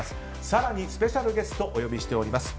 更にスペシャルゲストお呼びしております。